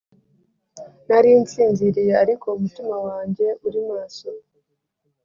Nari nsinziriye ariko umutima wanjye uri maso.